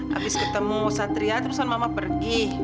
habis ketemu satria terusan mama pergi